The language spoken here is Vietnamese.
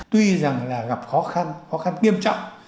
tuy rằng là gặp khó khăn khó khăn nghiêm trọng